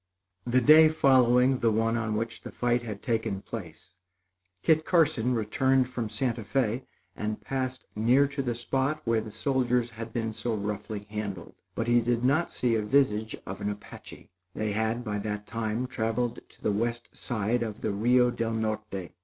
The day following the one on which the fight had taken place, Kit Carson returned from Santa Fé and passed near to the spot where the soldiers had been so roughly handled; but he did not see a visage of an Apache. They had, by that time, traveled to the west side of the Rio del Norte.